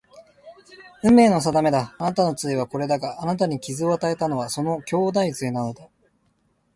運命の定めだ。あなたの杖はこれだが、あなたに傷を与えたのはその兄弟杖なのだ